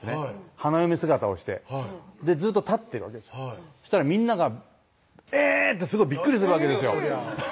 花嫁姿をしてずっと立ってるわけですよそしたらみんなが「えぇ！」ってすごいびっくりするわけですよ